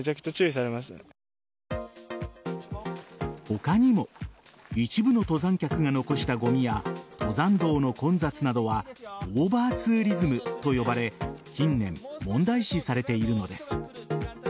他にも一部の登山客が残したごみや登山道の混雑などはオーバーツーリズムと呼ばれ近年、問題視されているのです。